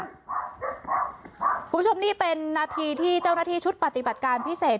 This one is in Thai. คุณผู้ชมนี่เป็นนาทีที่เจ้าหน้าที่ชุดปฏิบัติการพิเศษ